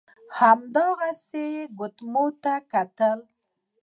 هماغسې يې ګوتميو ته کتل.